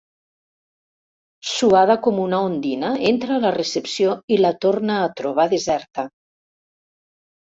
Suada com una ondina, entra a la recepció i la torna a trobar deserta.